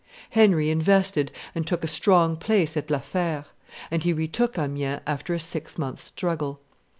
Henry invested and took the strong place of La Fere; and he retook Amiens after a six months' struggle.